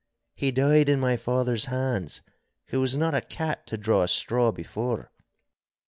He died in my father's hands, who was not a cat to draw a straw before.